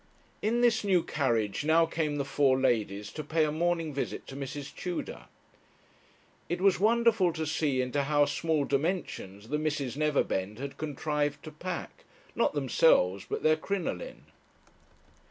In this new carriage now came the four ladies to pay a morning visit to Mrs. Tudor. It was wonderful to see into how small dimensions the Misses Neverbend had contrived to pack, not themselves, but their crinoline.